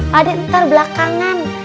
pade ntar belakangan